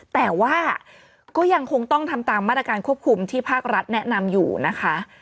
แต่ว่าก็ยังคงต้องทำตามมาตรการควบคุมที่ภาครัฐแนะนำอยู่นะคะ